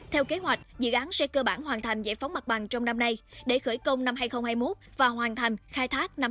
theo kế hoạch dự án sẽ cơ bản hoàn thành giải phóng mặt bằng trong năm nay để khởi công năm hai nghìn hai mươi một và hoàn thành khai thác năm hai nghìn hai mươi